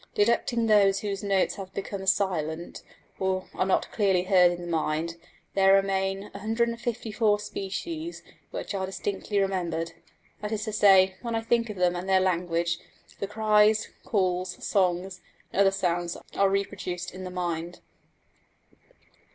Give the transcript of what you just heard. Deducting those whose notes have become silent and are not clearly heard in the mind, there remain 154 species which are distinctly remembered. That is to say, when I think of them and their language, the cries, calls, songs, and other sounds are reproduced in the mind.